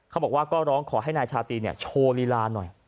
เขาบอกว่าก็ร้องขอให้นายชาตรีโชว์ลีลาหน่อย